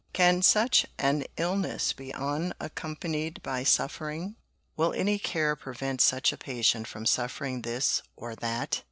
Can such an illness be unaccompanied by suffering? Will any care prevent such a patient from suffering this or that?